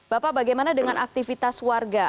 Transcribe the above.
bapak bagaimana dengan aktivitas warga